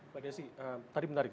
pak desi tadi menarik